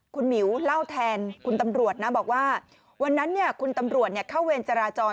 คุณหมิวเล่าแทนคุณตำรวจนะบอกว่าวันนั้นคุณตำรวจเข้าเวรจราจร